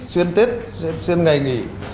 xuyên tết xuyên ngày nghỉ